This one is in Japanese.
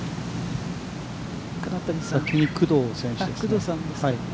先に工藤選手ですね。